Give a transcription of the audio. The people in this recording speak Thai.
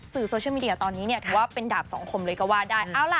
สื่อโซเชียลมีเดียตอนนี้เนี่ยถือว่าเป็นดาบสองคมเลยก็ว่าได้